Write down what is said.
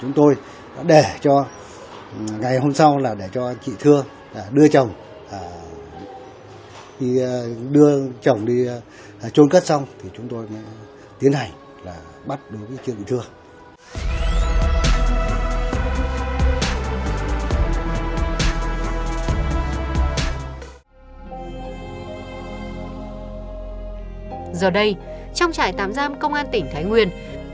giờ đây trong trại tám giam công an tỉnh thái nguyên